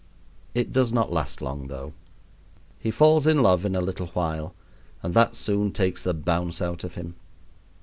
It does not last long, though. He falls in love in a little while, and that soon takes the bounce out of him.